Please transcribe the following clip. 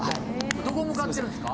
どこ向かってるんですか？